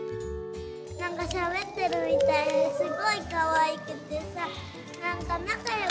なんかしゃべってるみたいですごいかわいくてさなんか仲よくなった！